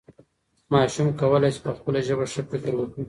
ماشوم کولی سي په خپله ژبه ښه فکر وکړي.